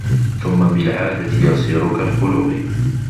ثُمَّ بِالْعَادَةِ يَصِيرُ كَالْخُلُقِ